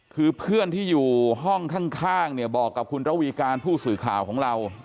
คือเพื่อนที่อยู่ห้องข้างเนี่ยบอกกับคุณระวีการผู้สื่อข่าวของเรา